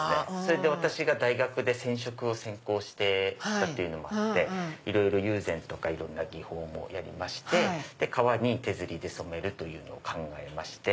私が大学で染色を専攻していたのもあって友禅とかいろんな技法もやりまして革に手刷りで染めるというのを考えまして。